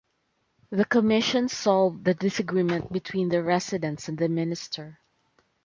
The commission solved the disagreement between the residents and the minister.